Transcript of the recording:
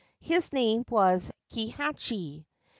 His name was Kihachi.